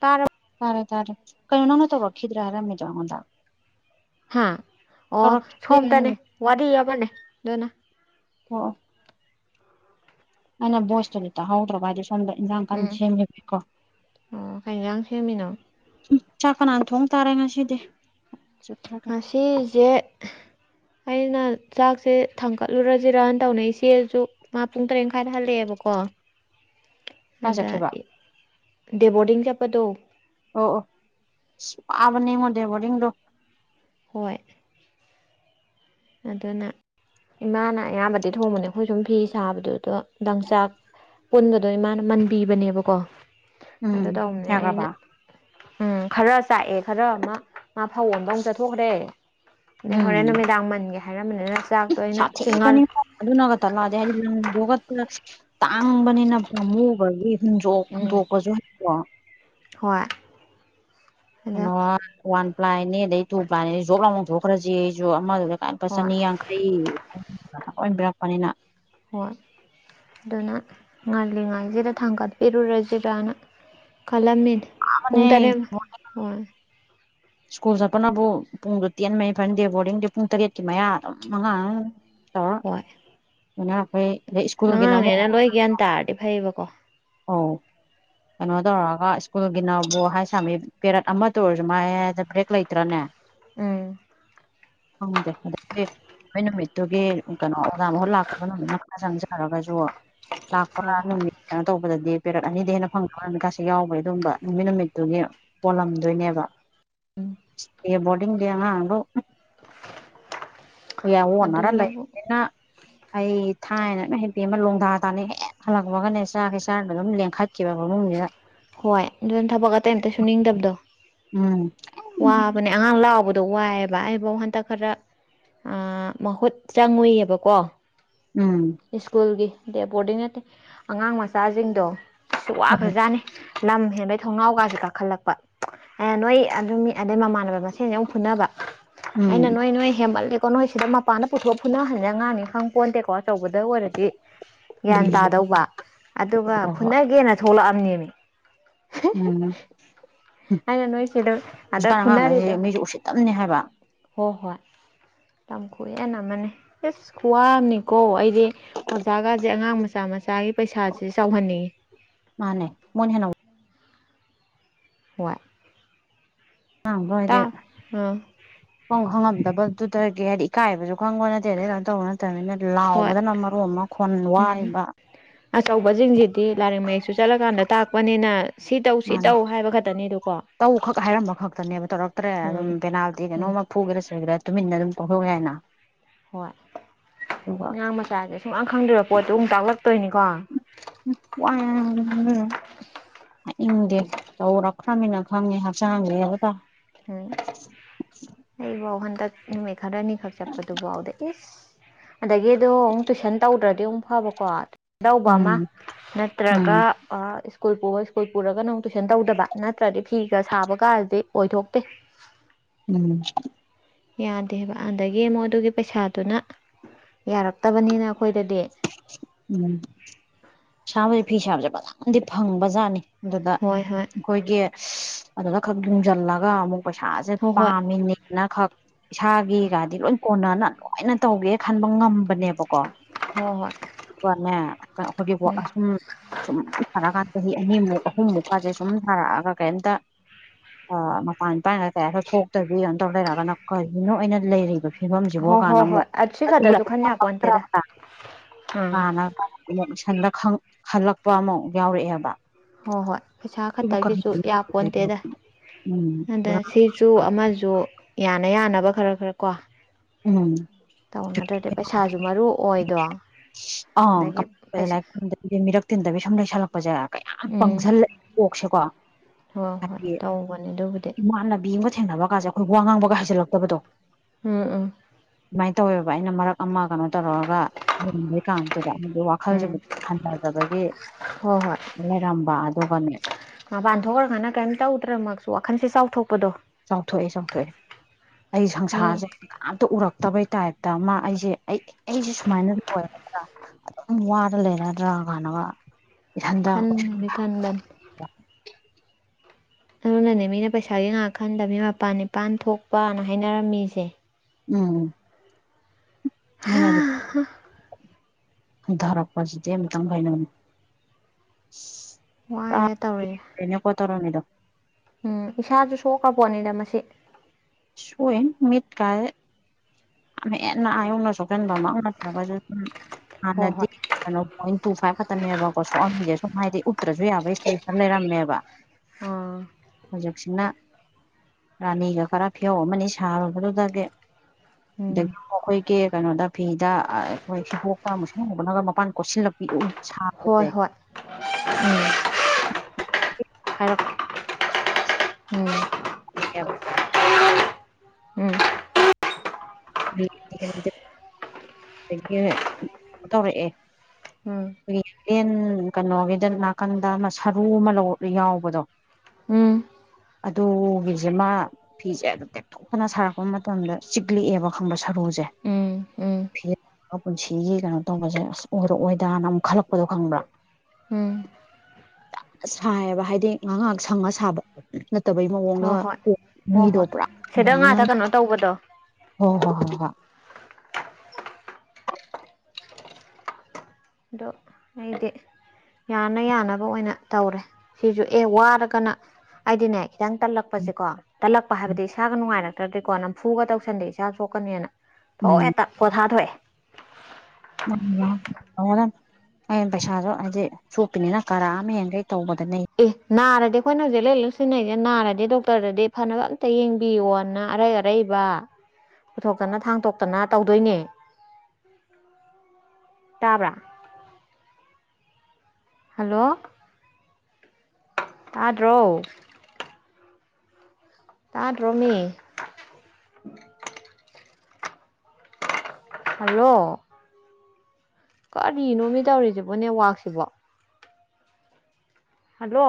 ꯇꯥꯔ ꯇꯥꯔꯦ ꯇꯥꯔꯦ ꯀꯩꯅꯣ ꯅꯪꯅ ꯇꯧꯔꯛꯈꯤꯗ꯭ꯔꯦ ꯍꯥꯏꯔꯝꯃꯦꯗ ꯑꯩꯉꯣꯟꯗ ꯍꯥ ꯑꯣ ꯇꯧꯔꯛꯈꯤꯗ꯭ꯔꯦ ꯁꯣꯝ ꯍꯥꯏꯅ ꯇꯅꯦ ꯋꯥꯗ ꯌꯥꯕꯅꯦꯅ ꯑꯣ ꯑꯅ ꯣꯁ ꯇꯣꯗꯠꯇ ꯍꯥꯎꯗ꯭ꯔꯣꯥꯏ ꯇ ꯏꯟꯖꯥꯡ ꯀꯟ ꯎꯝ ꯁꯦꯝꯦꯕꯣ ꯑꯣ ꯀꯩ ꯌꯦꯟꯖꯥꯡ ꯁꯦꯝꯃꯤꯅꯣ ꯆꯥꯛ ꯀꯅꯥꯟ ꯊꯣꯡ ꯇꯥꯔꯦ ꯉꯁꯤꯗꯤ ꯀꯥꯏ ꯑꯁꯤꯁꯦ ꯑꯩꯅ ꯆꯥꯛꯁꯦ ꯊꯥꯡꯒꯠꯂꯨꯔꯁꯤꯔꯅ ꯇꯧꯅꯩ ꯏꯆꯦꯁꯨ ꯃꯥ ꯄꯨꯡ ꯇꯔꯦꯠ ꯃꯈꯥꯏꯗ ꯍꯜꯂꯛꯑꯦꯕꯀꯣ [unintelligible] ꯑꯗ ꯆꯠꯈꯤꯕ ꯗꯦꯕꯣꯔꯗꯤꯡ ꯆꯠꯄꯗꯣ ꯑꯣ ꯑꯣ ꯑꯥꯕꯅꯤ ꯃꯗꯦꯕꯗꯣ ꯍꯣꯏ ꯑꯗꯨꯅ ꯏꯃꯥꯅ ꯑꯌꯥꯝꯕꯗꯤ ꯊꯣꯡꯕꯅꯦ ꯑꯩꯈꯣꯏ ꯁꯨꯝ ꯐꯤ ꯁꯥꯕꯗꯨꯗꯣ ꯗꯪꯆꯥꯛ ꯄꯨꯟꯕꯗꯣ ꯃꯥꯅ ꯃꯟꯕꯤꯕꯅꯦꯕꯀꯣ ꯎꯝ ꯑꯗꯨ ꯇꯧꯕꯅꯦ ꯌꯥꯒ꯭ꯔꯕ ꯑꯩꯅ ꯎꯝ ꯈꯔ ꯆꯥꯛꯑꯦ ꯈꯔ ꯃꯥ ꯃꯥ ꯐꯧꯣꯟꯗ ꯑꯃꯨꯛ ꯆꯠꯊꯣꯛꯈ꯭ꯔꯦ ꯑꯗꯩ ꯍꯣꯔꯦꯟ ꯅꯨꯃꯤꯗꯥꯡ ꯃꯟꯒꯦ ꯍꯥꯏꯔ ꯁꯥꯊꯤꯒꯅꯤ ꯑꯗꯨꯅꯒꯛꯇꯂꯥꯑꯗꯦ ꯍꯥꯏꯗꯤ ꯅꯪꯒ ꯑꯪꯕꯅꯤꯅ ꯎꯝ ꯄꯥꯃꯨꯈꯒꯤꯇꯣꯛꯄꯁꯨꯀꯣ ꯍꯣꯏ ꯑꯗ ꯀꯩꯅꯣ ꯋꯥꯟ ꯄ꯭ꯂꯥꯏꯅꯤ ꯑꯗꯩ ꯇꯨ ꯄ꯭ꯂꯥꯏꯅꯤ ꯖꯣꯞ ꯂꯥꯎ ꯂꯥꯎꯊꯣꯛꯈ꯭ꯔꯁꯤ ꯑꯩꯁꯨ ꯑꯃꯗꯨꯗ ꯂ ꯂꯄꯥ ꯍꯣꯏ ꯆꯅꯤ ꯌꯥꯡꯈꯩ ꯑꯣꯏꯟꯕꯤꯔꯛꯄꯅꯤꯅ ꯍ ꯑꯗꯨꯅ ꯉꯜꯂꯤꯉꯩꯁꯤꯗ ꯊꯥꯡꯒꯠꯄꯤꯔꯨꯔꯁꯤꯔꯅ ꯈꯜꯂꯝꯃꯤ ꯃꯥꯅꯦ ꯄꯨꯡ ꯇꯥꯔꯦ ꯍꯣꯏ ꯁ꯭ꯀꯨꯜ ꯆꯠꯄꯅꯕꯨ ꯄꯨꯡꯗꯣ ꯇꯦꯟ ꯃꯔꯤ ꯐꯟꯗꯦ ꯕꯣꯔꯗꯤꯡꯗꯤ ꯄꯨꯡ ꯇꯔꯦꯠꯀꯤ ꯃꯌꯥ ꯑꯗꯨꯝ ꯃꯉꯥ ꯇꯧꯔ ꯍꯏ ꯑꯗꯨꯅ ꯑꯩꯈꯣꯏ ꯑꯗꯩ ꯁ꯭ꯀꯨꯜꯒꯤꯅ ꯑꯃꯨꯛ ꯑꯉꯥꯡꯅꯦꯅ ꯂꯣꯏ ꯒ꯭ꯌꯥꯟ ꯇꯥꯔꯗꯤ ꯐꯩꯌꯦꯕꯀꯣ ꯑꯥꯎ ꯀꯩꯅꯣ ꯇꯧꯔꯑꯒ ꯁ꯭ꯀꯨꯜꯒꯤꯅꯕꯨ ꯍꯥꯏ ꯁꯥꯃꯤ ꯄꯦꯔꯠ ꯑꯃꯇ ꯑꯣꯏꯔꯁꯨ ꯃꯥꯏꯗ ꯕ꯭ꯔꯦꯛ ꯂꯩꯇ꯭ꯔꯅꯦ ꯎꯝ ꯍꯪꯗꯦ ꯑꯗꯒꯤ ꯃꯣꯏ ꯅꯨꯃꯤꯠꯇꯨꯒꯤ ꯀꯩꯅꯣ ꯑꯣꯖꯥ ꯃꯍꯨꯠ ꯂꯥꯛꯇꯕ ꯅꯨꯃꯤꯠꯅ ꯈꯔ ꯆꯪꯖꯔꯒ ꯁꯨ ꯂꯥꯛꯄ ꯍꯣꯏ ꯍꯣꯏ ꯅꯨꯃꯤ ꯌꯥꯧꯕꯗꯗꯤ ꯄꯦꯔꯠ ꯑꯅꯤꯗ ꯍꯦꯟꯅ ꯐꯪꯗꯀꯥꯁ ꯌꯥꯎꯕꯒꯤ ꯑꯗꯨꯕ ꯅꯨꯃꯤꯠ ꯅꯨꯃꯤꯠꯇꯨꯒꯤ ꯄꯣꯜꯂꯝꯗꯣꯏꯅꯦꯕ ꯎꯝ ꯣꯔꯗꯤꯌꯥꯉ ꯑꯗꯣ ꯑꯣ ꯌꯥ ꯑꯣꯟꯅꯔ ꯑꯗꯨꯅꯕꯨ ꯂꯩꯅ ꯑꯩ ꯊꯥꯏꯅ ꯍꯦꯄꯦ ꯑꯃ ꯂꯣꯡꯗꯥ ꯇꯥꯅꯦ ꯍꯦꯛ ꯍꯜꯂꯛꯄꯒꯅꯦ ꯆꯥꯒꯦ ꯆꯥꯔꯅꯕ ꯑꯗꯨꯝ ꯂꯦꯡꯈꯠꯈꯤꯕ ꯏꯃꯨꯡꯁꯤꯗ ꯍꯣꯏ ꯑꯗꯨꯅ ꯊꯕꯛ ꯑꯇꯩ ꯑꯝꯇ ꯁꯨꯅꯤꯡꯗꯕꯗꯣ ꯎꯝ ꯋꯥꯕꯅꯦ ꯑꯉꯥꯡ ꯂꯥꯛꯑꯣꯕꯅꯦ ꯑꯗꯣ ꯋꯥꯏꯑꯦꯕ ꯑꯩꯐꯧ ꯍꯟꯗꯛ ꯈꯔ ꯃꯍꯨꯠ ꯆꯪꯉꯨꯏꯑꯕꯀꯣ ꯎꯝ ꯁꯀꯨꯜꯒꯤ ꯗ ꯕꯣꯔꯗꯤꯡ ꯅꯠꯇꯦ ꯑꯉꯥꯡ ꯃꯆꯥꯁꯤꯡꯗꯣ ꯎꯝ ꯋꯥꯈꯖꯥꯠꯅꯤ ꯂꯝ ꯍꯦꯟꯕꯩ ꯊꯣꯡꯅꯥꯎꯀꯥꯁꯦ ꯀꯥꯈꯠꯂꯛꯄ ꯑ ꯅꯣꯏ ꯑꯗꯨꯝ ꯃꯤ ꯑꯗꯩ ꯃꯃꯥꯟꯅꯕ ꯃꯁꯦꯟꯁꯦ ꯑꯃꯨꯛ ꯐꯨꯅꯕ ꯑꯩꯅ ꯎꯝ ꯅꯣꯏ ꯅꯣꯏ ꯍꯦꯟꯃꯠꯂꯀꯣ ꯅꯣꯏ ꯁꯤꯗ ꯃꯄꯥꯟꯗ ꯄꯨꯊꯣꯛꯄ ꯐꯨꯅꯍꯜꯂꯦ ꯑꯉꯥꯡꯅꯤ ꯈꯪ ꯄꯣꯟꯗꯦꯀꯣ ꯑꯆꯧꯕꯗ ꯑꯗꯨꯗ ꯑꯣꯏꯔꯗꯤ ꯒ꯭ꯌꯥꯟ ꯎꯝ ꯇꯥꯗꯧꯕ ꯑꯗꯨꯒ ꯍꯣꯏ ꯍꯣꯏ ꯐꯨꯅꯒꯦꯅ ꯊꯣꯛꯂꯛꯑꯕꯅꯦꯃꯤ ꯎꯝ ꯑꯩꯅ ꯅꯣꯏ ꯁꯤꯗ ꯑꯗ ꯍꯧꯖꯤꯛꯀꯥꯟ ꯑꯉꯥꯡꯈꯩꯁꯤꯦ ꯃꯤꯁꯨ ꯎꯁꯤꯠꯇꯝꯅꯤ ꯍꯥꯏꯕ ꯍꯣ ꯍꯣꯏ ꯇꯝ ꯀꯨꯍꯅ ꯃ ꯑꯦꯁ ꯀꯋꯥꯅꯤ ꯀꯣ ꯑꯩ ꯑꯣꯖꯥꯒꯥꯁꯦ ꯑꯉꯥꯡ ꯃꯆꯥ ꯃꯆꯥꯒꯤ ꯄꯩꯁꯥꯁ ꯆꯥꯎꯍꯟꯅꯤꯡꯉꯤ ꯅꯦ ꯃꯣꯏ ꯍꯅ ꯋꯥꯏ ꯑ ꯍꯣꯏꯗꯦ ꯍꯪꯉꯝꯗꯕꯗꯨꯗ ꯀ ꯍꯥꯏꯗꯤ ꯏꯀꯥꯏꯕꯁꯨ ꯈꯪꯕ ꯅꯠꯇꯦ ꯑꯗꯩ ꯀꯩꯅꯣ ꯇꯧꯕ ꯅꯠꯇꯕꯅꯤꯅ ꯍꯣꯏ ꯂꯥꯎꯕꯗꯅ ꯃꯔꯨ ꯑꯃ ꯈꯣꯟ ꯎꯝ ꯋꯥꯔꯤꯕ ꯑꯆꯧꯕꯁꯤꯡꯁꯤꯗꯤ ꯂꯥꯏꯔꯤꯛ ꯃꯌꯦꯛꯁꯨ ꯆꯠꯂꯀꯥꯟꯗ ꯇꯥꯛꯄꯅꯤꯅ ꯁꯤ ꯇꯧ ꯁꯤ ꯇꯧ ꯍꯥꯏꯕ ꯈꯛꯇꯅꯤ ꯑꯗꯨ ꯇꯧꯈꯛ ꯍꯥꯏꯔꯝꯕ ꯈꯛꯇꯅꯦꯕ ꯇꯧꯔꯛꯇ꯭ꯔꯦ ꯎꯝ ꯑꯗꯨꯝ ꯄꯦꯅꯥꯜꯇꯤ ꯎꯝ ꯀꯩꯅꯣꯝ ꯐꯨꯒꯦꯔꯥ ꯁꯣꯏꯒꯦꯔꯥ ꯇꯨꯃꯤꯟꯅ ꯑꯗꯨꯝ ꯀꯧ ꯍ ꯌꯥꯅ ꯍꯣꯏ ꯉꯥꯡ ꯃꯆꯥꯁꯦ ꯁꯨꯡꯍꯥꯡ ꯈꯪꯗ꯭ꯔ ꯄꯣꯠꯇꯨ ꯑꯃꯨꯛ ꯇꯥꯛꯂꯛꯇꯣꯏꯅꯤ ꯑ ꯏꯪꯗꯦ ꯇꯧꯔꯛꯈ꯭ꯔꯃꯤꯅ ꯈꯪꯉꯦ ꯍꯛꯆꯥꯡꯗꯕ ꯇ ꯎꯝ ꯑꯩꯕ ꯍ ꯇꯛ ꯅꯨꯃꯤꯠ ꯈꯔꯅꯤꯈꯛ ꯆꯠꯄꯗꯨꯐꯥꯎꯗ ꯏꯁ ꯑꯗꯒꯤ ꯑꯗꯣ ꯑꯃꯨꯛ ꯇꯨꯏꯁꯟ ꯇꯧꯗ꯭ꯔꯗꯤ ꯑꯃꯨꯛ ꯐꯕꯀꯣ ꯑꯗꯧꯕ ꯑꯃ ꯎꯝ ꯅꯠꯇ꯭ꯔꯒ ꯎꯝ ꯁ꯭ꯀꯨꯜ ꯄꯨ ꯁ꯭ꯀꯨꯜ ꯄꯨꯔꯒ ꯅꯪ ꯇꯨꯏꯁꯟ ꯇꯧꯗꯕ ꯅꯠꯇ꯭ꯔꯗꯤ ꯐꯤꯒ ꯁꯥꯕ ꯀꯥꯔꯗꯤ ꯑꯣꯏꯊꯣꯛꯇꯦ ꯎꯝ ꯌꯥꯗꯦꯕ ꯑꯗꯒꯤ ꯑꯃꯨꯛ ꯑꯗꯨꯒꯤ ꯄꯩꯁꯥꯗꯨꯅ ꯌꯥꯔꯛꯇꯕꯅꯤꯅ ꯑꯩꯈꯣꯏꯗꯗꯤ ꯎꯝ ꯁꯥꯕꯁ ꯐꯤ ꯁꯥꯕꯁꯦ ꯐꯖꯅꯗꯤ ꯐꯪꯕ ꯖꯥꯠꯅꯤ ꯑꯗꯨꯗ ꯍꯣꯏ ꯍꯣꯏ ꯑꯩꯈꯣꯏꯒꯤ ꯑꯗꯨꯗ ꯈꯛ ꯌꯨꯡꯁꯤꯜꯂꯒ ꯑꯃꯨꯛ ꯄꯩꯁꯥꯁꯦ ꯍꯣꯏ ꯍꯣꯏ ꯄꯥꯝꯃꯤꯅꯦꯅ ꯈꯛ ꯏꯁꯥꯒꯤꯒꯗꯤ ꯂꯣꯏ ꯀꯣꯟꯅꯅ ꯂꯣꯏꯅ ꯇꯧꯒꯦ ꯈꯟꯕ ꯉꯝꯕꯅꯦꯕꯀꯣ ꯍꯣꯏ ꯍꯣꯏ ꯅꯦ ꯑꯩꯈꯣꯏꯒꯤ ꯎꯝ ꯑꯁꯨꯝ ꯁꯨꯝ ꯊꯔꯛꯀꯥꯟꯗ ꯆꯍꯤ ꯑꯅꯤꯃꯨꯛ ꯑꯍꯨꯝꯃꯨꯛꯀꯥꯁꯦ ꯁꯨꯝ ꯊꯔꯛꯑꯒ ꯀꯩꯝꯇ ꯑ ꯃꯄꯥꯟꯄꯥꯥꯏꯅ ꯀꯩꯒ ꯊꯣꯛꯇ꯭ꯔꯗꯤ ꯀꯝ ꯇꯧ ꯂꯩꯔꯛꯑꯒꯅ ꯀꯔꯤꯅꯣ ꯑꯣꯏꯅ ꯂꯩꯔꯤꯕ ꯐꯤꯕꯝꯁꯤꯐꯥꯎ ꯍꯣꯏ ꯀꯥꯟꯗ ꯍꯣꯏ ꯍꯣꯏ ꯑꯃꯨꯛ ꯑꯁꯤ ꯈꯛꯇꯁꯨ ꯈꯟ ꯌꯥꯄꯣꯟꯇꯦꯗ ꯑꯗꯨ꯭ꯔꯕ ꯑꯥ ꯍꯅꯁ ꯈꯜꯂꯛꯄ ꯑꯃꯐꯥꯎꯛ ꯌꯥꯎꯔꯛꯑꯦꯕ ꯍꯣꯏ ꯍꯣꯏ ꯄꯩꯁꯥ ꯏꯕꯨ ꯀꯔꯤ ꯈꯛꯇꯒꯤꯁꯨ ꯌꯥꯄꯣꯟꯗꯦꯗ ꯎꯝ ꯑꯗ ꯁꯤꯁꯨ ꯑꯃꯁꯨ ꯌꯥꯅ ꯌꯥꯅꯕ ꯈꯔ ꯈꯔ ꯀꯣ ꯎꯝ ꯇꯧꯅꯗ꯭ꯔꯗꯤ ꯄꯩꯁꯥꯁꯨ ꯃꯔꯨ ꯑꯣꯏꯗꯣ ꯑꯗꯒꯤ ꯄꯩꯁꯥ ꯑꯥꯏ ꯃꯤꯔꯛ ꯇꯤꯟꯗꯕꯤ ꯁꯨꯝ ꯂꯩꯁꯜꯂꯛꯄꯁꯦ ꯀꯌꯥꯝ ꯎꯝ ꯄꯪꯁꯜꯂꯦ ꯀꯣꯛꯁꯦꯀꯣ ꯍꯣꯏ ꯍꯣꯏ ꯍꯥꯏꯗꯤ ꯇꯧꯕꯅꯦ ꯑꯗꯨꯕꯨꯗꯤ ꯏꯃꯥꯟꯅꯕꯤ ꯑꯃꯒ ꯊꯦꯡꯅꯕ ꯀꯥꯟꯁꯦ ꯑꯩꯈꯣꯏ ꯋꯥ ꯉꯥꯡꯕꯒ ꯍꯥꯏꯖꯜꯂꯛꯇꯕꯗꯣ ꯎꯝ ꯎꯝ ꯁꯃꯥꯏꯅ ꯇꯧꯋꯦꯕ ꯑꯩꯅ ꯃꯔꯛ ꯑꯃ ꯀꯩꯅꯣ ꯇꯧꯔꯒ ꯂꯩꯔꯝꯕꯩꯀꯥꯟꯗꯨꯗ ꯍꯥꯏꯒꯤ ꯋꯥꯈꯜꯁꯤꯕꯨ ꯎꯝ ꯍꯟꯊꯗꯕꯒꯤ ꯍꯣꯏ ꯍꯔꯝꯕ ꯑꯗꯨꯗꯒꯅꯦꯃꯦ ꯃꯥꯄꯥꯟꯊꯣꯛꯈ꯭ꯔ ꯀꯅ ꯀꯩꯝ ꯇꯧꯗ꯭ꯔ ꯃꯁꯨ ꯋꯥꯈꯟꯁꯦ ꯆꯥꯎꯊꯣꯛ ꯆꯥꯎꯊꯣꯛꯑꯦ ꯆꯥꯎꯊꯣꯛꯑꯦ ꯑꯩ ꯃꯤ ꯁꯪꯁꯥꯔꯁꯦ ꯍꯥꯏꯗꯤ ꯀꯅꯥꯝꯇ ꯎꯔꯛꯇꯕꯩ ꯇꯥꯏꯞꯇ ꯃꯥ ꯑꯩꯁꯦ ꯑꯩ ꯑꯩꯁꯦ ꯁꯨꯃꯥꯏꯅ ꯂꯣꯏꯔꯗ꯭ꯔꯥ ꯑꯗꯨꯝ ꯋꯥꯔ ꯂꯩꯔꯗ꯭ꯔꯥ ꯀꯅ ꯑ ꯈꯥꯟꯕꯤꯀꯟꯗꯟ ꯑꯗꯨꯅꯅꯦ ꯃꯤꯅ ꯄꯩꯁꯥꯒꯤ ꯉꯥꯏꯍꯥꯛ ꯈꯟꯗꯕ ꯃꯤ ꯃꯄꯜ ꯅꯤꯄꯥꯟ ꯊꯣꯛꯄꯅ ꯍꯥꯏꯅꯔꯝꯃꯤꯁꯦ ꯎꯝ ꯑ ꯑꯗꯨ ꯙꯔꯛ ꯄꯖꯤꯗꯤꯦꯝ ꯊ ꯍꯥꯏꯥꯏ ꯅ ꯋꯥꯏꯅꯦꯦ ꯇꯧꯔꯤꯦ ꯇꯣꯅꯤꯗꯣ ꯎꯝ ꯏꯁꯥꯁꯨ ꯁꯣꯛꯀꯄꯣꯠꯅꯤꯅ ꯃꯁꯤ ꯁꯣꯏ ꯃꯤꯠ ꯀꯥꯏ ꯌꯥꯝ ꯍꯦꯟꯅ ꯑꯌ ꯌꯧꯅ ꯁꯣꯛꯆꯟꯕ ꯑꯃꯅꯠꯇ꯭ꯔꯒꯁꯨ ꯁꯨꯝ ꯍꯣꯏ ꯍꯣꯏ ꯍꯥꯟꯅꯗꯤꯩꯅ ꯇꯨ ꯐꯥꯏꯚ ꯈꯛꯇꯅꯦꯕꯀꯣ ꯁꯣꯛꯑꯝꯁꯦ ꯁꯨꯝ ꯍꯥꯏꯗꯤ ꯎꯠꯇ꯭ꯔꯁꯨ ꯌꯥꯕ ꯏꯁꯇꯦꯖꯇ ꯂꯩꯔꯝꯃꯦꯕ ꯑ ꯍꯧꯖꯤꯛꯁꯤꯅ ꯔꯥꯅꯤꯒ ꯈꯔ ꯐꯤꯌꯧ ꯑꯃꯅꯤ ꯁꯥꯔꯨꯕꯗꯨꯗꯒꯤ ꯎꯝ ꯑꯩꯈꯣꯏ ꯀ ꯀꯩꯅꯣꯗ ꯐꯤꯗ ꯑꯩꯈꯣꯏ ꯍꯤꯕꯣꯛꯇ ꯃꯨꯁ ꯍꯧꯕꯅꯒ ꯃꯄꯥꯟ ꯀꯣꯠꯁꯤꯜꯂꯛ ꯄꯤꯛꯎ ꯍꯣꯏ ꯍꯣꯏ ꯎꯝ ꯍꯥꯏꯔ ꯎꯝ ꯑꯦ ꯎꯝ [unintelligible] ꯑꯗꯒꯤꯩꯅ ꯇꯧꯔꯛꯑꯦ ꯎꯝ ꯑꯩꯈꯣꯏꯒꯤ ꯌꯦꯦꯟ ꯀꯩꯅꯣꯒꯤꯗ ꯅꯥꯀꯟꯗ ꯑꯃ ꯁꯔꯨ ꯑꯃ ꯂꯧ ꯌꯥꯎꯕꯗꯣ ꯎꯝ ꯑꯗꯨꯒꯤꯁꯦ ꯃꯥ ꯐꯤꯁꯦ ꯑꯗꯨꯝ ꯇꯦꯛꯊꯣꯛꯇꯅ ꯁꯥꯔꯛꯄ ꯃꯇꯝꯗ ꯆꯤꯛꯂꯛꯑꯦꯕ ꯈꯪꯕ ꯁꯔꯨꯁꯦ ꯎꯝ ꯎꯝ ꯎꯝ ꯄꯨꯟꯁꯤꯒꯤ ꯀꯩꯅꯣ ꯇꯧꯕꯁꯦ ꯑꯁ ꯑꯣꯏꯔꯛꯑꯣꯗ ꯗꯥꯅ ꯑꯃꯨꯛ ꯈꯜꯂꯛꯄꯗꯣ ꯈꯪꯕ꯭ꯔꯥ ꯎꯝ ꯁꯥꯏꯌꯦꯕ ꯍꯥꯏꯗꯤ ꯉꯥꯏꯍꯥꯏꯍꯥꯛ ꯁꯪꯉ ꯁꯥꯕ ꯅꯠꯇꯕꯩ ꯃꯑꯣꯡꯗ ꯍꯣꯏ ꯍꯣꯏ ꯍꯣꯏ ꯃꯤꯗꯣ ꯍꯣꯏ ꯁꯤꯗ ꯄꯨꯔꯥꯥꯡꯅ ꯉꯥꯛꯇ ꯀꯩꯅꯣ ꯇꯧꯕꯗꯣ ꯍ ꯍꯣ ꯍ ꯍ ꯑꯗꯣ ꯑꯩꯗꯤ ꯌꯥꯅ ꯌꯥꯅꯕ ꯑꯣꯏꯅ ꯇꯧꯔꯦ ꯁꯤꯁꯨ ꯑꯦ ꯋꯥꯔꯒꯅ ꯑꯩꯗꯤꯅꯦ ꯈꯤꯇꯪ ꯎꯝ ꯇꯠꯂꯛꯄꯁꯦꯀꯣ ꯇꯠꯂꯛꯄ ꯍꯥꯏꯕꯗꯤ ꯏꯁꯥꯒ ꯅꯨꯡꯉꯥꯏꯔꯛꯇ꯭ꯔꯗꯤꯀꯣ ꯅꯝꯐꯨꯒ ꯇꯧꯁꯟꯗꯦ ꯏꯁꯥ ꯁꯣꯛꯀꯅꯤꯅ ꯊꯣꯛꯑꯦ ꯇ ꯄꯣꯊꯥ ꯊꯣꯛꯑꯦ ꯑꯩꯅ ꯄꯩꯁꯥꯗꯣ ꯍꯥꯏꯗꯤ ꯁꯣꯛꯄꯅꯤꯅ ꯀꯔꯥ ꯑꯃ ꯍꯦꯟꯒꯩ ꯇꯧꯕꯗꯅꯦ ꯑꯦ ꯅꯥꯔꯗꯤ ꯑꯩꯈꯣꯏꯅ ꯍꯧꯖꯤꯛ ꯂ ꯂ ꯁꯤꯖꯤꯟꯅꯩꯁꯦ ꯅꯥꯔꯗꯤ ꯗꯣꯛꯇꯔꯗꯗꯤ ꯐꯅꯕ ꯑꯝꯇ ꯌꯦꯡꯕꯤꯌꯣꯅ ꯑꯔꯩ ꯑꯔꯩ ꯄꯨꯊꯣꯛꯇꯅ ꯊꯥꯡꯇꯣꯛꯇꯅ ꯇꯧꯗꯣꯏꯅꯦ ꯇꯕ꯭ꯔꯥ ꯍꯜꯂꯣ ꯑꯥꯗ꯭ꯔꯣ ꯇꯥꯛ ꯔꯃꯤꯦ ꯍꯂꯣ ꯀꯔꯤꯅꯣ ꯃꯤ ꯇꯧꯔꯤꯁꯤꯦꯕꯅꯦ ꯋꯥꯛꯁꯤꯕꯣ ꯍꯜꯂꯣ